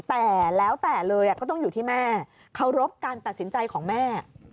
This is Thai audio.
แต่แล้วแต่เลยก็ต้องอยู่ที่แม่เคารพการตัดสินใจของแม่